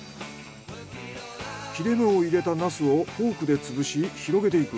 切れ目を入れたナスをフォークで潰し広げていく。